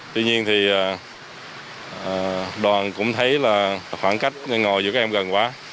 tuy nhiên thì đoàn cũng thấy là khoảng cách ngồi giữa các em gần quá